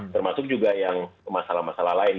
termasuk juga yang masalah masalah lain